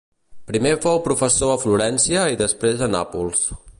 Primer fou professor a Florència i després a Nàpols.